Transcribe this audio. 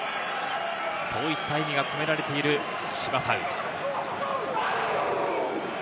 そういった意味が込められているシヴァタウ。